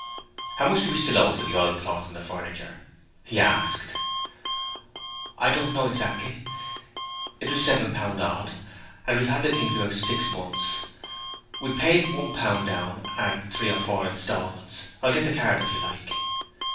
'How much do we still owe for the oilcloth and the furniture?' he asked. 'I don't know exactly. It was seven pound odd, and we've had the things about six months. We paid one pound down and three or four instalments. I'll get the card if you like.'